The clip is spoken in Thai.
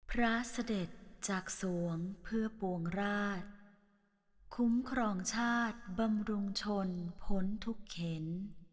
พระเสด็จจากสวงเพื่อปวงราชคุ้มครองชาติบำรุงชนพ้นทุกเข็น